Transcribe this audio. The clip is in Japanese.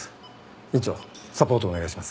院長サポートをお願いします。